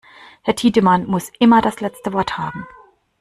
Herr Tiedemann muss immer das letzte Wort haben.